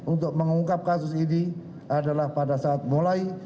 untuk mengungkap kasus ini adalah pada saat mulai